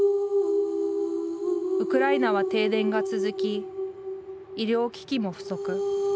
ウクライナは停電が続き医療機器も不足。